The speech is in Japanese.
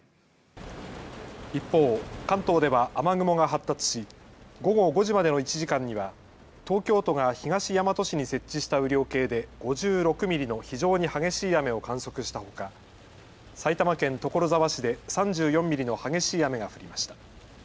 一方、関東では雨雲が発達し午後５時までの１時間には東京都が東大和市に設置した雨量計で５６ミリの非常に激しい雨を観測したほか埼玉県所沢市で３４ミリの激しい雨が降りました。